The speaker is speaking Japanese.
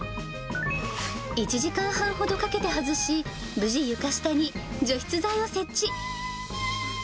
１時間半ほどかけて外し、無事、床下に除湿剤を設置。